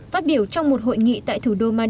phát biểu trong một hội nghị tại thủ đô man